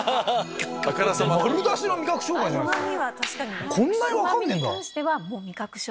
丸出しの味覚障害じゃないっすか。